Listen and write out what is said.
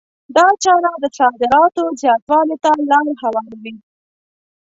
دا چاره د صادراتو زیاتوالي ته لار هواروي.